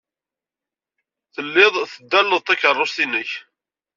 Telliḍ teddaleḍ takeṛṛust-nnek.